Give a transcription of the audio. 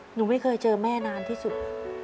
หนูไม่เคยเจอแม่นานที่สุด